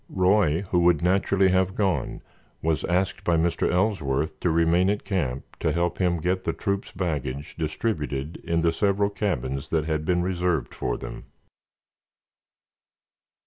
Roy, who would naturally have gone, was asked by Mr. Ellsworth to remain at camp to help him get the troop's baggage distributed in the several cabins that had been reserved for them.